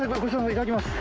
いただきます。